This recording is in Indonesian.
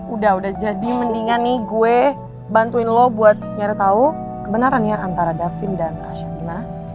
udah udah jadi mendingan nih gue bantuin lo buat nyari tau kebenaran ya antara darvin dan asyad gimana